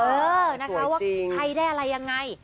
เออนะคะว่าใครได้อะไรยังไง